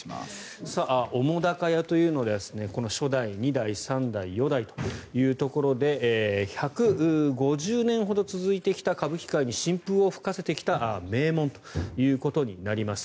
澤瀉屋というのは初代、二代、三代、四代ということで１５０年ほど続いてきた歌舞伎界に新風を吹かせてきた名門となります。